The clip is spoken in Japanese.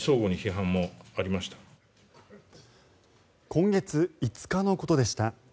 今月５日のことでした。